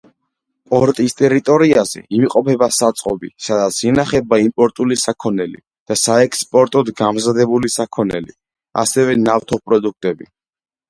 პორტის ტერიტორიაზე იმყოფება საწყობი, სადაც ინახება იმპორტული საქონელი და საექსპორტოდ გამზადებული საქონელი, ასევე ნავთობპროდუქტები.